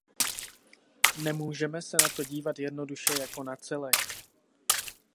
Nemůžeme se na to dívat jednoduše jako na celek.